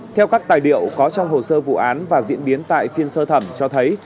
theo các tài liệu có trong hồ sơ vụ án và diễn biến tại phiên sơ thẩm cho thấy